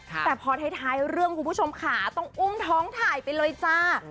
แต่พอท้ายเรื่องคุณผู้ชมค่ะต้องอุ้มท้องถ่ายไปเลยจ้า